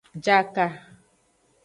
Jaka.